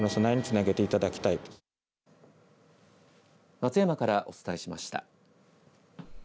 松山からお伝えしました。